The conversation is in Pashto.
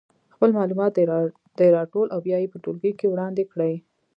خپل معلومات دې راټول او بیا یې په ټولګي کې وړاندې کړي.